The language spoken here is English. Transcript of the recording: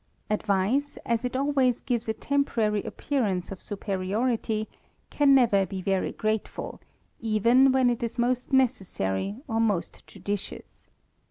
Advice, as it always gives a temporary appearance of superiority, can never be very grateful, even when it is most _n^essary or most judicious.